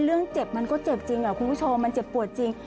เรื่องเจ็บมันก็เจ็บจริงคุณผู้ชมมันเจ็บปวดจริง